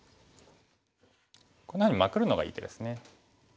こんなふうにマクるのがいい手ですね。